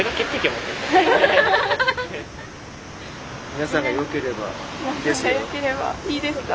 皆さんがよければいいですか？